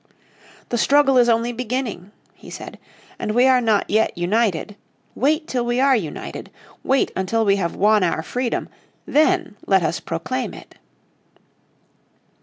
The struggle is only beginning," he said," and we are not yet united. Wait till we are united. Wait until we have won our freedom, then let us proclaim it."